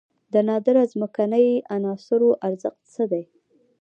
د نادره ځمکنۍ عناصرو ارزښت څه دی؟